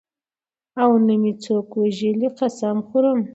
او نه مې څوک وژلي قسم خورم.